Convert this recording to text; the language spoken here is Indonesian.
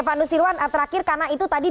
pak nusirwan terakhir karena itu tadi